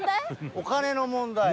お金の問題。